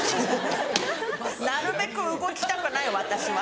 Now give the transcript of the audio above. なるべく動きたくない私は。